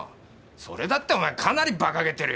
それだってお前かなり馬鹿げてるよ。